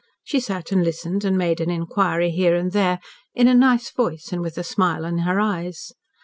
She sat and listened, and made an inquiry here and there, in a nice voice and with a smile in her eyes.